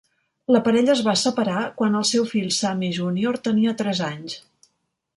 La parella es va separar quan el seu fill Sammy Junior tenia tres anys.